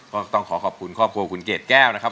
ก็ต้องขอขอบคุณครอบครัวคุณเกดแก้วนะครับ